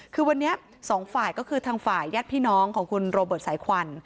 คือวันนี้สองฝ่ายก็คือทางฝ่ายญาติพี่น้องของคุณโรเบิร์ตสายควัน